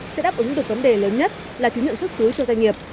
sẽ đáp ứng được vấn đề lớn nhất là chứng nhận xuất xứ cho doanh nghiệp